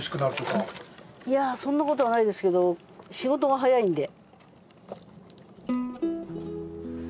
いやあそんなことはないですけど仕事が早いんで。